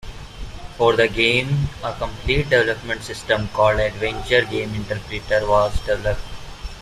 For the game, a complete development system called Adventure Game Interpreter was developed.